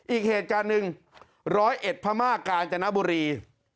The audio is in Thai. อีกเหตุการณ์หนึ่งร้อยเอ็ดพม่ากาญจนบุรี